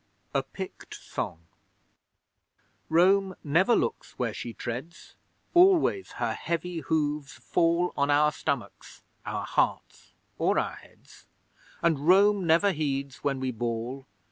A PICT SONG Rome never looks where she treads, Always her heavy hooves fall On our stomachs, our hearts or our heads; And Rome never heeds when we bawl.